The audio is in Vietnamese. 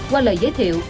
qua lời giới thiệu